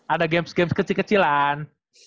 ada games games kecil kecilan